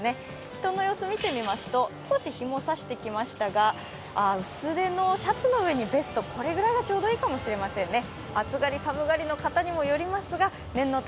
人の様子見てみますと少し日も差してきましたが薄手のシャツの上にベストこれぐらいがちょうどいいかもしれませんね。